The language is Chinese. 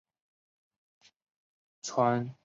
窜红后为组合与公司大大提高知名度。